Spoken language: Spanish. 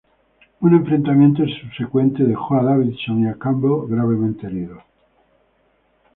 Un enfrentamiento subsecuente dejó a Davidson y a Campbell gravemente heridos.